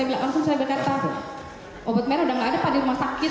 langsung saya berkata obat merah udah nggak ada pada rumah sakit